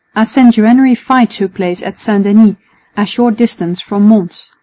A sanguinary fight took place at St Denis, a short distance from Mons.